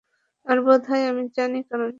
আর বোধহয় আমি জানি কারণটা।